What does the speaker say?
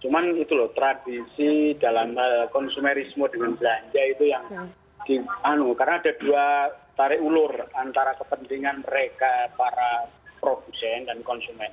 cuma itu loh tradisi dalam konsumerisme dengan belanja itu yang karena ada dua tarik ulur antara kepentingan mereka para produsen dan konsumen